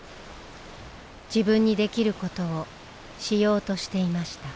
自分にできることをしようとしていました。